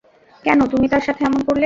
কেন তুমি তার সাথে এমন করলে?